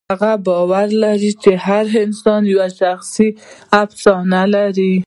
هغه باور لري چې هر انسان یوه شخصي افسانه لري.